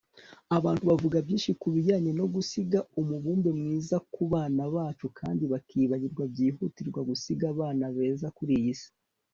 Abantu bavuga byinshi kubijyanye no gusiga umubumbe mwiza kubana bacu kandi bakibagirwa byihutirwa gusiga abana beza kuri iyi si